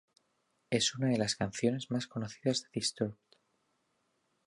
Es una de las canciones más conocidas de Disturbed.